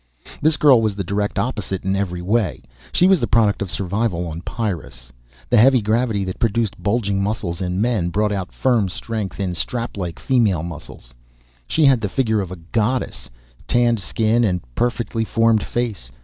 This girl was the direct opposite in every way. She was the product of survival on Pyrrus. The heavy gravity that produced bulging muscles in men, brought out firm strength in straplike female muscles. She had the figure of a goddess, tanned skin and perfectly formed face.